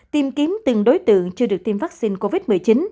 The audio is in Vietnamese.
tìm kiếm từng đối tượng chưa được tiêm vaccine covid một mươi chín